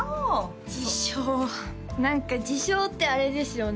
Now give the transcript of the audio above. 自称何か自称ってあれですよね